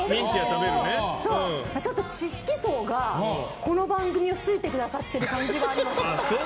知識層がこの番組を好いてくださっている感じがあります。